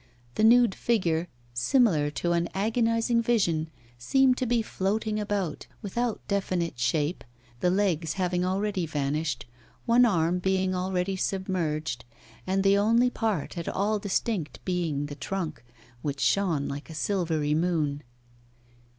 The nude figure, similar to an agonising vision, seemed to be floating about, without definite shape, the legs having already vanished, one arm being already submerged, and the only part at all distinct being the trunk, which shone like a silvery moon.